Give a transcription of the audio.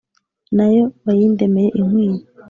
Na yo bayindemeye inkwiye